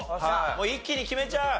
一気に決めちゃう？